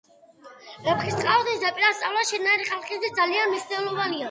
ვეფხისტყაოსნის ზეპირად სწავლა შენნაირი ხალხისთვის ძალიან მნიშვნელოვანია.